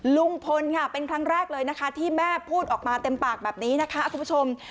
ลุงพลค่ะเป็นครั้งแรกเลยนะคะที่แม่พูดออกมาเต็มปากแบบนี้นะคะคุณผู้ชม